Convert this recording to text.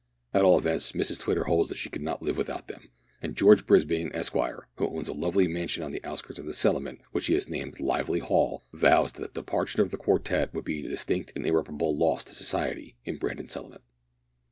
At all events Mrs Twitter holds that she could not live without them, and George Brisbane, Esquire, who owns a lovely mansion on the outskirts of the settlement, which he has named Lively Hall, vows that the departure of that quartette would be a distinct and irreparable loss to society in Brandon Settlement.